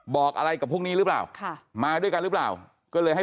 บอกอะไรกับพวกนี้หรือเปล่าค่ะมาด้วยกันหรือเปล่าก็เลยให้